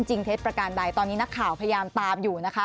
เท็จประการใดตอนนี้นักข่าวพยายามตามอยู่นะคะ